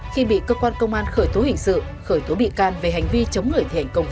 phạm ngọc sơn bị khơi tố với tội danh giết người